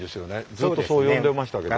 ずっとそう呼んでましたけど。